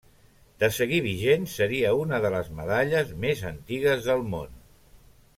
De seguir vigent seria una de les medalles més antigues del món.